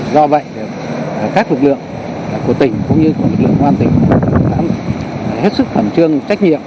do vậy các lực lượng của tỉnh cũng như của lực lượng công an tỉnh đã hết sức khẩn trương trách nhiệm